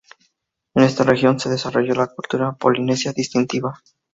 En esta región, se desarrolló la cultura polinesia distintiva.